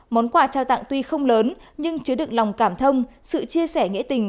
món quà trao tặng tuy không lớn nhưng chứa được lòng cảm thông sự chia sẻ nghĩa tình